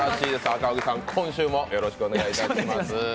赤荻さん、今週もよろしくお願いいたします。